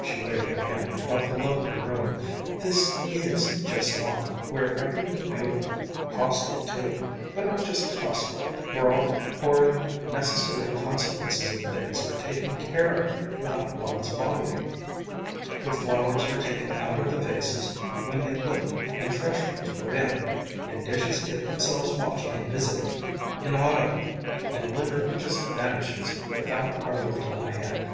she waved her hand about the lovely room, "this is just one! Where everything's beautiful costly too but not just costly; where all the horrid, necessary consequences of things are taken care of without one's bothering where flowers are taken out of the vases when they wilt and fresh ones put in; and dishes get themselves washed invisibly, inaudibly and litter just vanishes without our lifting a hand.